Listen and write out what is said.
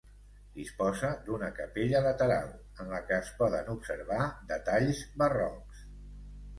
Disposa d'una capella lateral, en la que es poden observar detalls barrocs.